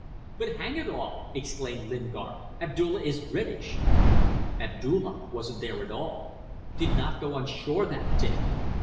"But, hang it all!" exclaimed Lingard "Abdulla is British!" "Abdulla wasn't there at all did not go on shore that day.